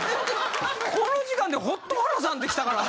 この時間でホット原さんってきたから。